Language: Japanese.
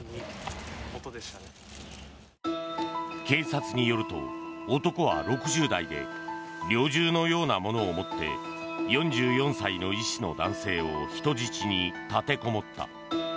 警察によると男は６０代で猟銃のようなものを持って４４歳の医師の男性を人質に立てこもった。